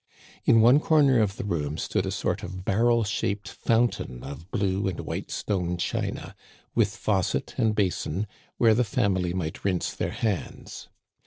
In one comer of the room stood a sort of barrel shaped fountain of blue and white stone china, with faucet and basin, where the family might rinse their hands.